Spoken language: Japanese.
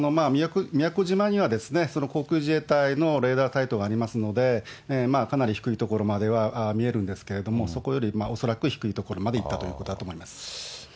宮古島には航空自衛隊のレーダーがありますので、かなり低い所までは見えるんですけれども、そこより恐らく低い所まで行ったということだと思います。